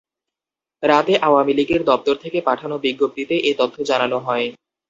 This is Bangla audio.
রাতে আওয়ামী লীগের দপ্তর থেকে পাঠানো বিজ্ঞপ্তিতে এ তথ্য জানানো হয়।